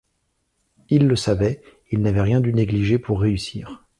Ils le savaient, ils n’avaient rien dû négliger pour réussir.